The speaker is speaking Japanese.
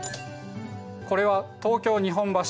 これは東京日本橋。